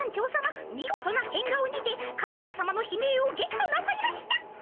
みごとな変顔にてカップルさまの悲鳴をゲットなさいました。